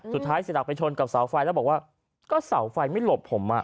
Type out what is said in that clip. สุดท้ายสีสาวไปชนกับเสาไฟแล้วบอกว่าก็เสาไฟไม่หลบผมอ่ะ